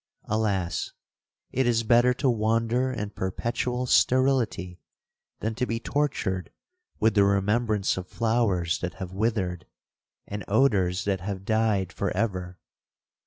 Alas! it is better to wander in perpetual sterility than to be tortured with the remembrance of flowers that have withered, and odours that have died for ever.'